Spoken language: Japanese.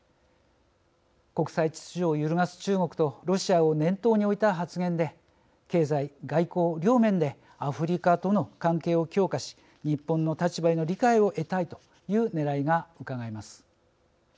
国際秩序を揺るがす中国とロシアを念頭に置いた発言で経済・外交両面でアフリカとの関係を強化し日本の立場への理解を得たいというねらいがうかがえます。